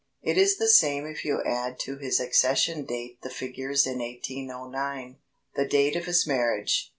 It is the same if you add to his accession date the figures in 1809, the date of his marriage.